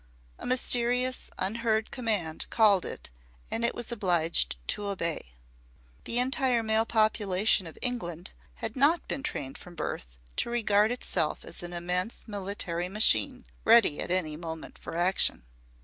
A mysterious unheard command called it and it was obliged to obey. The entire male population of England had not been trained from birth to regard itself as an immense military machine, ready at any moment for action.